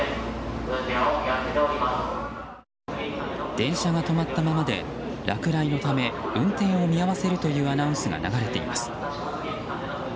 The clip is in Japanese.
電車が止まったままで落雷のため運転を見合わせるというアナウンスが流れています。